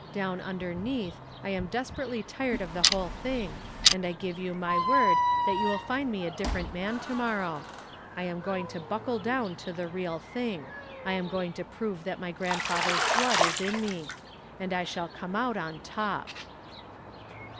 Down underneath I am desperately tired of the whole thing, and I give you my word that you will find me a different man to morrow. I am going to buckle down to the real thing. I am going to prove that my grandfather's blood is in me. And I shall come out on top."